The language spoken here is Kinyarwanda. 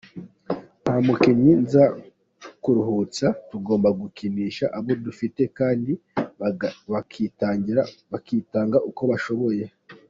Nta mukinnyi nza kuruhutsa, tugomba gukinisha abo dufite kandi bakitanga uko bashoboye.